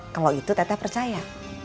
kalau itu teteh percaya